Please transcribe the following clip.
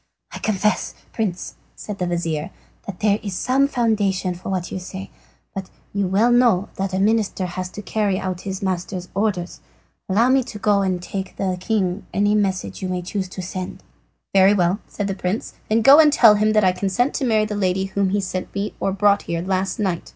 "I confess, Prince," said the vizir, "that there is some foundation for what you say. But you know well that a minister has to carry out his master's orders. Allow me to go and to take to the king any message you may choose to send." "Very well," said the prince; "then go and tell him that I consent to marry the lady whom he sent or brought here last night.